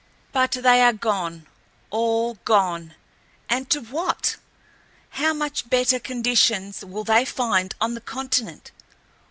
But they are gone, all gone, and to what? How much better conditions will they find on the continent?